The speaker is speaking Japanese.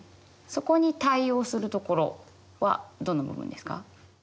そこに対応するところはどの部分ですか？